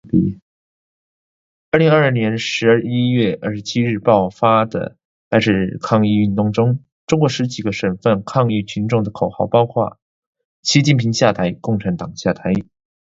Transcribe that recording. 二零二二年十一月二十七号爆发的白纸抗议运动中，中国十几个省份抗议群众的口号包括“习近平下台，共产党下台”